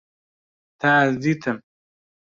Te ez dîtim